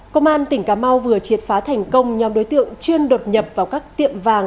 công an tỉnh cà mau vừa triệt phá thành công nhóm đối tượng chuyên đột nhập vào các tiệm vàng